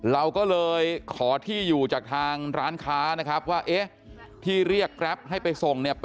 เราก็เลยขอที่อยู่จากทางร้านค้านะครับว่าเอ๊ะที่เรียกแกรปให้ไปส่งเนี่ย